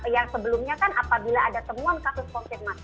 yang sebelumnya kan apabila ada temuan kasus konfirmasi